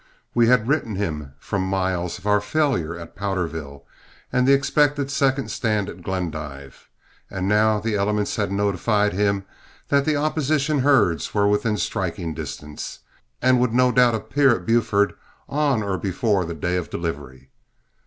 We had written him from Miles of our failure at Powderville, and the expected second stand at Glendive, and now the elements had notified him that the opposition herds were within striking distance, and would no doubt appear at Buford on or before the day of delivery.